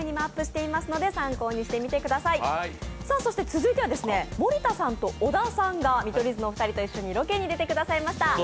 続いては、森田さんと小田さんが見取り図の２人と一緒にロケに出てくださいました。